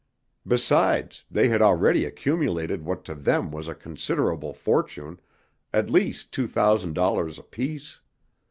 Besides, they had already accumulated what to them was a considerable fortune, at least two thousand dollars apiece.